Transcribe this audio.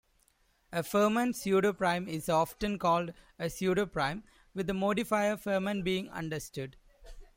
A Fermat pseudoprime is often called a pseudoprime, with the modifier Fermat being understood.